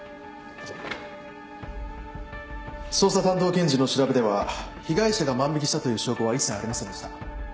捜査担当検事の調べでは被害者が万引したという証拠は一切ありませんでした。